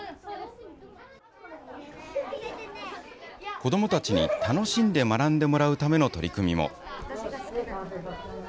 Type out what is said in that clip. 子どもたちに楽しんで学んでもらうための取り組みも。